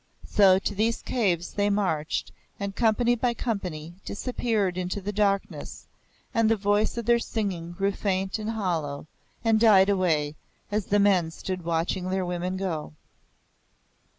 So to these caves they marched and, company by company, disappeared into the darkness; and the voice of their singing grew faint and hollow, and died away, as the men stood watching their women go.